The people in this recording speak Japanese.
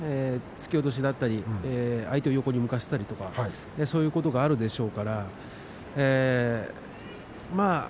突き落としだったり相手を横に向かせたりとかそういうことがあるでしょうから。